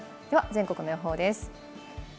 では全国の予報です。